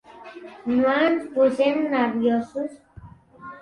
No ens posem nerviosos.